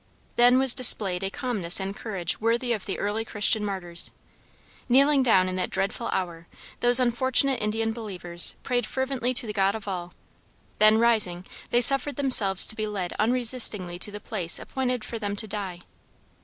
Then was displayed a calmness and courage worthy of the early Christian martyrs. Kneeling down in that dreadful hour; those unfortunate Indian believers prayed fervently to the God of all; then rising they suffered themselves to be led unresistingly to the place appointed for them to die.